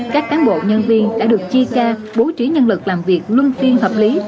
các cán bộ nhân viên đã được chia ca bố trí nhân lực làm việc luôn phiên hợp lý